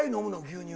牛乳。